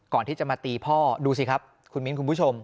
ก่อนที่จะมาตีพ่อดูสิครับคุณมิ้นคุณผู้ชม